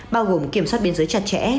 bao gồm kiểm soát biên giới chặt chẽ